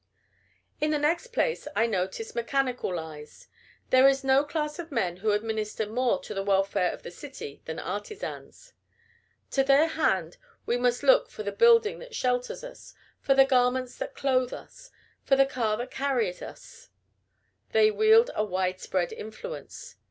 In the next place, I notice mechanical lies. There is no class of men who administer more to the welfare of the city than artisans. To their hand we must look for the building that shelters us, for the garments that clothe us, for the car that carries us. They wield a widespread influence.